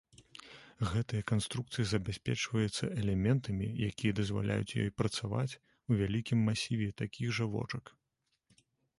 Гэтая канструкцыя забяспечваецца элементамі, якія дазваляюць ёй працаваць у вялікім масіве такіх жа вочак.